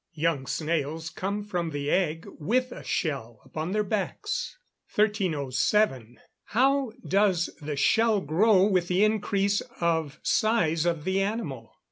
_ Young snails come from the egg with a shell upon their backs. 1307. _How does the shell grow with the increase of size of the animal?